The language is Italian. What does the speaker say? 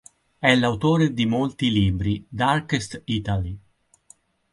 È l'autore di molti libri: "Darkest Italy.